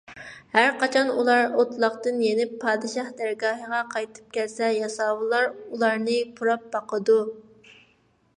ھەرقاچان ئۇلار ئوتلاقتىن يېنىپ پادىشاھ دەرگاھىغا قايتىپ كەلسە، ياساۋۇللار ئۇلارنى پۇراپ باقىدۇ.